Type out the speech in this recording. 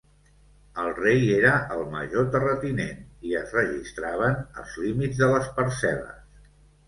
El rei era el major terratinent i es registraven els límits de les parcel·les.